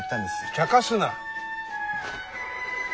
ちゃかすな！